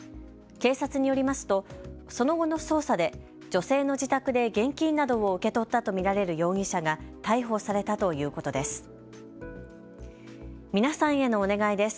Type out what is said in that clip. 警察によりますと、その後の捜査で女性の自宅で現金などを受け取ったと見られる容疑者が逮捕されたということです。